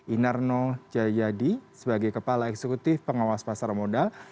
inarno jayadi sebagai kepala eksekutif pengawas pasar modal